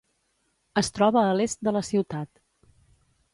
Es troba a l'est de la ciutat.